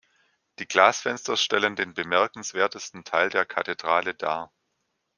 Die Glasfenster stellen den bemerkenswertesten Teil der Kathedrale dar.